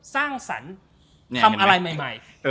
สร้างสรรค์ทำอะไรใหม่